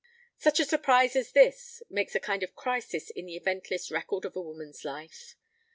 Such a surprise as this makes a kind of crisis in the eventless record of a woman's life.